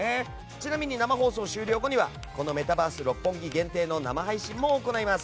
ちなみに生放送終了後にはメタバース六本木限定の生配信も行います。